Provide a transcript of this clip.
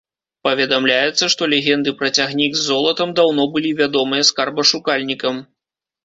Паведамляецца, што легенды пра цягнік з золатам даўно былі вядомыя скарбашукальнікам.